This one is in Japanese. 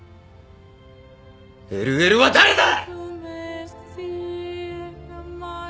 ＬＬは誰だ！？